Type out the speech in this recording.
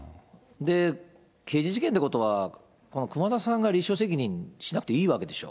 刑事事件ってことは、熊田さんが立証責任しなくていいわけでしょ。